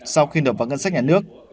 sau khi đột vào ngân sách nhà nước